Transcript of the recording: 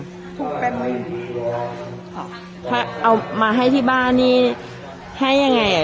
ถูกแปมไว้อยู่ดีค่ะถ้าเอามาให้ที่บ้านนี่ให้ยังไงอ่ะ